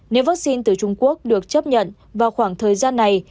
nếu vaccine từ trung quốc được chấp nhận vào khoảng thời gian này